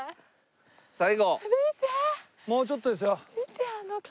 もうちょっとですよ。